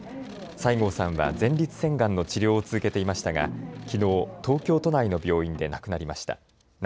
西郷さんは前立腺がんの治療を続けていましたが、きのう、東京都内の病院で亡くなりました。